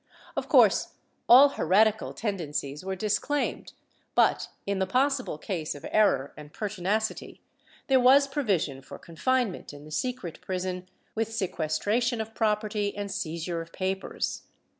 Of course all heretical ten dencies were disclaimed, but, in the possible case of error and pertinacity, there was provision for confinement in the secret prison with sequestration of property and seizure of papers.